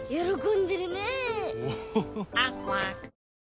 ん！